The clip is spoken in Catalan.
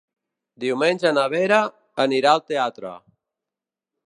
Diumenge na Vera anirà al teatre.